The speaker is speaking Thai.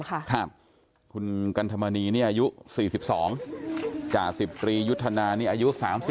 คุณกัณฑมณีอายุ๔๒จ่าสิบตียุทธนาอายุ๓๘